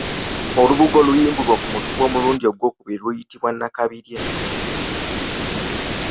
Olubugo oluyimbulwa ku mutuba omulundi ogwokubiri luyitibwa Nakabirye.